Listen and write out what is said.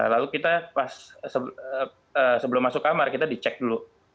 lalu kita pas sebelum masuk kamar kita dicek dulu